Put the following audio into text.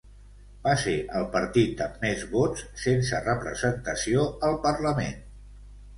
Va ser el partit amb més vots sense representació al parlament.